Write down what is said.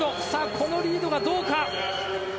このリードがどうか。